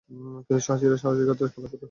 কিন্তু সাহসীরা সাহসীকতার পালক পরে।